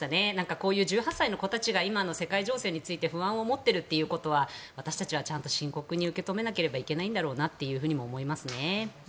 こういう１８歳の子たちが今の世界情勢について不安に思っているということは私たちはちゃんと深刻に受け止めなければいけないんだろうなと思いますね。